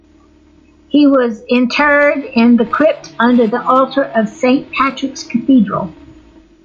He was interred in the crypt under the altar of Saint Patrick's Cathedral.